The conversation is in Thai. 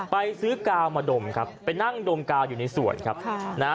ไปซื้อกาวมาดมครับไปนั่งดมกาวอยู่ในสวนครับค่ะนะฮะ